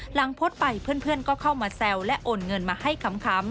หลังโพสต์ไปเพื่อนก็เข้ามาแซวและโอนเงินมาให้ขำ